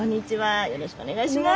よろしくお願いします。